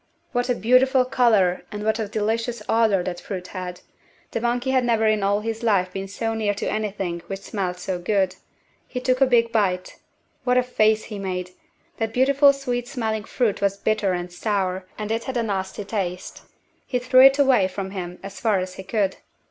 What a beautiful colour and what a delicious odour that fruit had! The monkey had never in all his life been so near to anything which smelled so good. He took a big bite. What a face he made! That beautiful sweet smelling fruit was bitter and sour, and it had a nasty taste. He threw it away from him as far as he could.